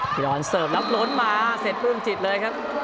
ล้อหล้อนเสริมแล้วล้นมาเสร็จภึมจิตเลยครับ